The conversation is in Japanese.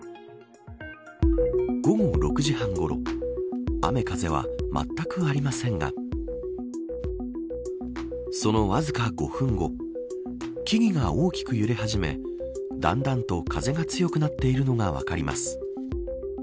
午後６時半ごろ雨風はまったくありませんがそのわずか５分後木々が大きく揺れ始めだんだんと風が強くなっているのが分かります。